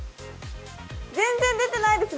全然、出てないです！